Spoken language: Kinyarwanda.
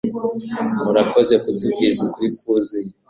MURAKOZE kutubwiza ukuri kuzuye